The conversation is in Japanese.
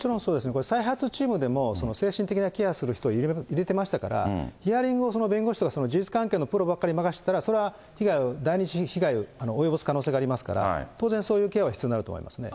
これ、再発チームでも、精神的なケアする人を入れてましたから、ヒアリングを弁護士とか事実関係のプロばっかりに任せてたら、それは第二次被害を及ぼす可能性がありますから、当然、そういうケアは必要になると思いますね。